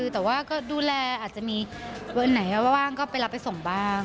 แต่ว่าก็ดูแลอาจจะมีวันไหนว่างก็ไปรับไปส่งบ้าง